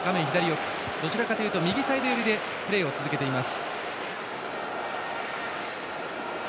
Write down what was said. どちらかというと右サイドよりでプレーを続けています。